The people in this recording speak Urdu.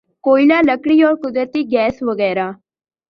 کوئلہ لکڑی اور قدرتی گیس وغیرہ